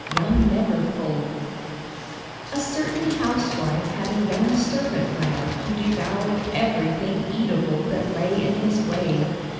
Young Neverfull A certain housewife had a young servant lad who devoured everything eatable that lay in his way.